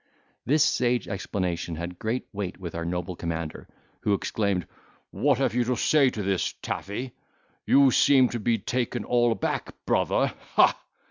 This sage explanation had great weight with our noble commander, who exclaimed, "What have you to say to this, Taffy? you seem to be taken all a back, brother, ha!"